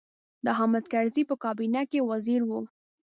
د حامد کرزي په کابینه کې وزیر و.